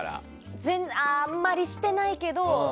あー、あまりしてないけど。